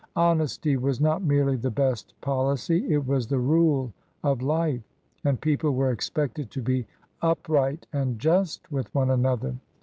Honesty was not merely the best policy ; it was the rule of life, and people were expected to be upright and just with one another.